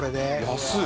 安い。